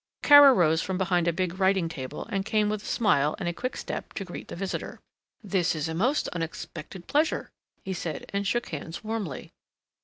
Kara rose from behind a big writing table, and came with a smile and a quick step to greet the visitor. "This is a most unexpected pleasure," he said, and shook hands warmly.